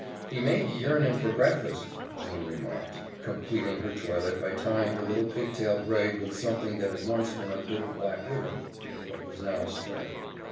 "He may be yearnin' for breakfast," Jane remarked, completing her toilet by tying her little pigtail braid with something that had once been a bit of black ribbon, but was now a string.